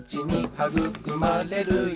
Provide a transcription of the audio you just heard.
「はぐくまれるよ